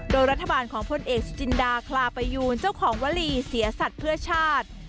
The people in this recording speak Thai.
โดยรัฐบาลของพลเอกสุจินดาคลาปยูนเจ้าของวลีเสียสัตว์เพื่อชาติ